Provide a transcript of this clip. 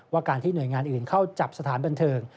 การที่หน่วยงานอื่นเข้าจับสถานบันเทิง